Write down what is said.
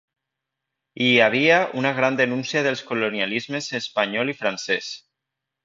I hi havia una gran denúncia dels colonialismes espanyol i francès.